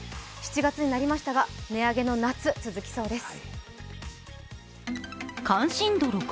７月になりましたが値上げの夏、続きそうです。